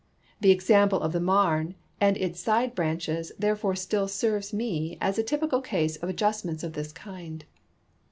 The example of the Marne and its side branches therefore still serves me as atypical case of adjustments of this kind.